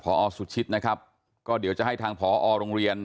พอสุชิตนะครับก็เดี๋ยวจะให้ทางผอโรงเรียน